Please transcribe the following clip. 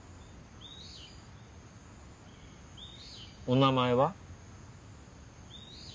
お名前は？